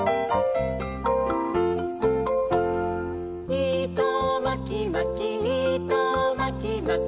「いとまきまきいとまきまき」